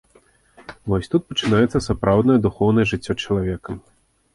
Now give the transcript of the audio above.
Вось тут і пачынаецца сапраўднае духоўнае жыццё чалавека.